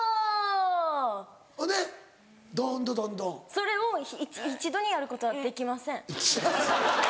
それを一度にやることはできません。